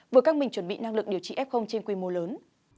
vừa căng mình chuẩn bị năng lực điều trị f trên quy mô lớn